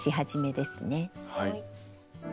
はい。